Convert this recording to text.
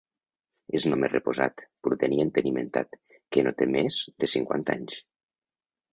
És un home reposat, prudent i entenimentat, que no té més de cinquanta anys.